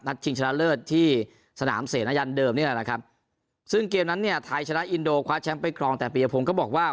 นัดชิงชนะเลิศที่สนามเศษนรยันด์เดิมซึ่งเกมนั้นเนี่ยไทยชนะอินโดคว้าแชมป์เป็นกลองแต่ปริยพงศ์ก็บอกว่า